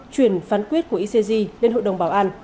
chuyển phán quyết của icg lên hội đồng bảo an